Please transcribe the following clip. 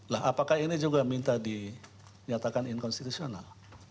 lah apakah ini juga minta dinyatakan inkonstitusional